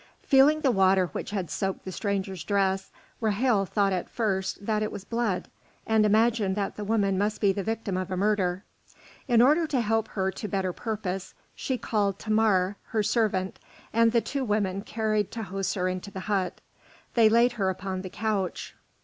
Feeling the water which had soaked the stranger's dress, Ra'hel thought at first that it was blood, and imagined that the woman must be the victim of a murder. In order to help her to better purpose, she called Thamar, her servant, and the two women carried Tahoser into the hut. They laid her upon the couch.